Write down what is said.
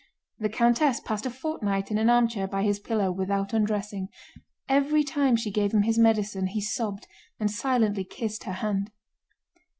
The countess passed a fortnight in an armchair by his pillow without undressing. Every time she gave him his medicine he sobbed and silently kissed her hand.